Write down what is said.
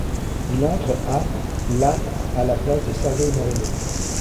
Il entre à la à la place de Sergi Moreno.